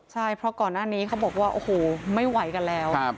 ใช่เพราะก่อนหน้านี้เขาบอกว่าโอ้โหไม่ไหวกันแล้ว